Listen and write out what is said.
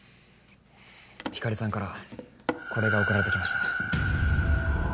光莉さんからこれが送られて来ました。